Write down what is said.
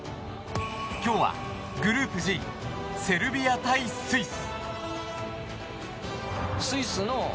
今日はグループＧセルビア対スイス。